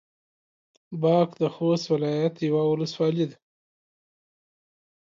باک د خوست ولايت يوه ولسوالي ده.